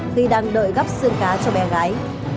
khi đang đợi gắp xương cá cho bé gái